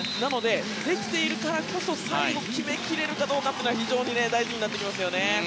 できているからこそ最後、決めきれるかどうかが非常に大事になってきますね。